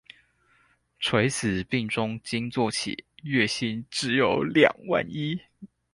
垂死病中驚坐起，月薪只有兩萬一